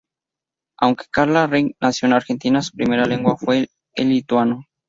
Aunque Carla Rigg nació en Argentina, su primera lengua fue el lituano.